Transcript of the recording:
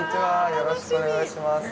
よろしくお願いします。